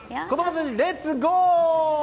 レッツゴー！